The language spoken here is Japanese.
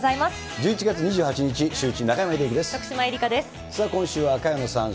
１１月２８日シューイチ、中山秀征です。